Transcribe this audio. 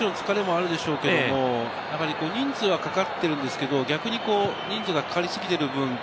疲れもあるでしょうけど、人数がかかっているんですけど、逆に人数がかかりすぎている。